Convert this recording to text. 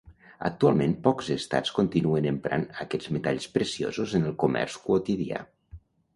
Actualment pocs estats continuen emprant aquests metalls preciosos en el comerç quotidià.